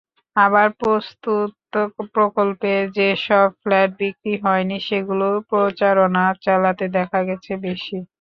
আবার প্রস্তুত প্রকল্পে যেসব ফ্ল্যাট বিক্রি হয়নি সেগুলো প্রচারণা চালাতে দেখা গেছে বেশি।